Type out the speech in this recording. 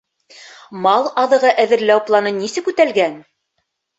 Мал аҙығы әҙерләү планы нисек үтәлгән?